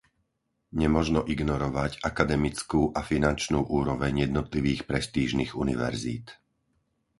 Nemožno ignorovať akademickú a finančnú úroveň jednotlivých prestížnych univerzít.